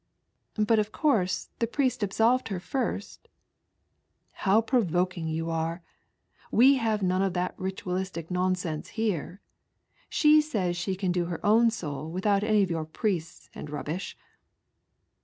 " But of course the priest absolved her first ?"" How provoking you are. We have none of that ritualistic nonsense here. She says she can do her own soul without any of your priests and rubbish."